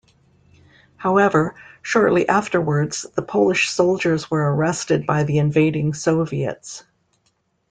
However, shortly afterwards the Polish soldiers were arrested by the invading Soviets.